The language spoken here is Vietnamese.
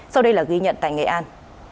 sau đây là ghi nhận tại nghệ an